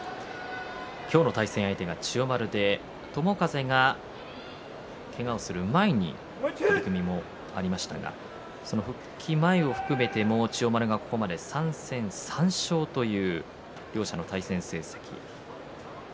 今日の対戦相手が千代丸で友風が、けがをする前に取組もありましたが復帰前を含めてもここまで千代丸が３戦３勝という両者の対戦成績。